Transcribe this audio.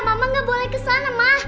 mama gak boleh kesana ma